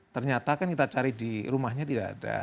ternyata kan kita cari di rumahnya tidak ada